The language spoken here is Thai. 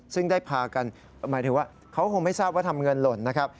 ซึ่งได้พากันหมายถึงว่าเขาคงไม่ทราบว่าทำเงินหล่นนะครับ